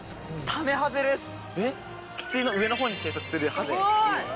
汽水の上の方に生息するハゼ。